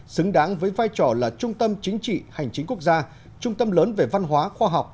xứng đáng với vai trò là trung tâm chính trị hành chính quốc gia trung tâm lớn về văn hóa khoa học